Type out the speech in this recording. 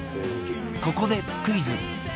ここでクイズ